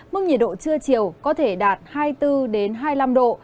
mức nhiệt độ trưa chiều có thể đạt hai mươi bốn hai mươi năm độ